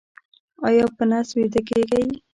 ایا په نس ویده کیږئ؟